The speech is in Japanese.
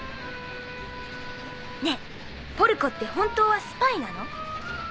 ねぇポルコって本当はスパイなの？